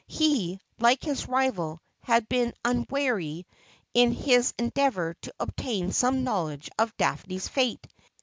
He, like his rival, had been unweary in his endeavour to obtain some knowledge of Daphne's fate.